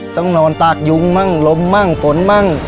ต้องนอนตากยุงมั่งลมมั่งฝนมั่ง